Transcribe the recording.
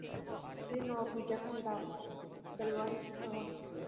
তিনি নবাব মির্জা খান দাঘ দেলওয়াহির শিষ্য হন।